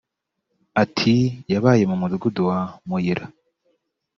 Ati “Yabaye mu mudugudu wa Muyira